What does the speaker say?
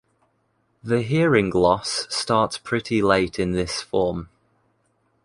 The hearing loss starts pretty late in this form.